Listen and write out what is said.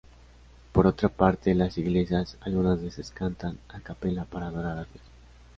Por otra parte, las iglesias algunas veces cantan "a cappella" para adorar a Dios.